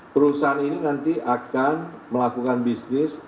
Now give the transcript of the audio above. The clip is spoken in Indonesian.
perusahaan ini nanti akan melakukan bisnis